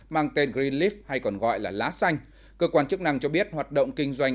mang tên greenleaf hay còn gọi là lá xanh cơ quan chức năng cho biết hoạt động kinh doanh